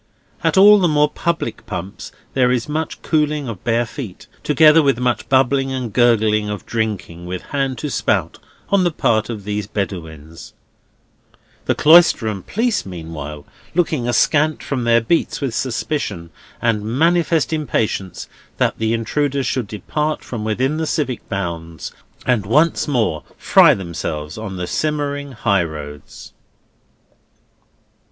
At all the more public pumps there is much cooling of bare feet, together with much bubbling and gurgling of drinking with hand to spout on the part of these Bedouins; the Cloisterham police meanwhile looking askant from their beats with suspicion, and manifest impatience that the intruders should depart from within the civic bounds, and once more fry themselves on the simmering high roads.